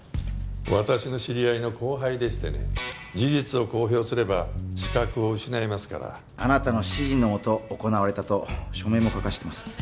私の知り合いの後輩でしてね事実を公表すれば資格を失いますからあなたの指示のもと行われたと署名も書かしてます